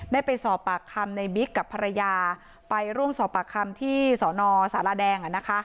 ได้ไปสอบปากคำในบิ๊กกับภรรยาไปร่วมสอบปากคำที่สนสารแดง